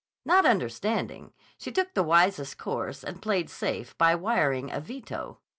Not understanding, she took the wisest course and played safe by wiring a veto.